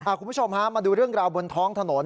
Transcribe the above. คุณผู้ชมฮะมาดูเรื่องราวบนท้องถนน